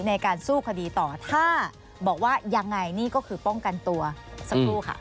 ในการสู้คดีต่อถ้าบอกว่ายังไงนี่ก็คือป้องกันตัวสักครู่ค่ะ